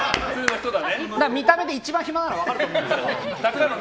見た目で一番暇なの分かると思うんですけど。